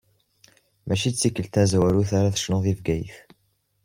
Mačči d tikkelt tamezwarut ara tecnuḍ di Bgayet?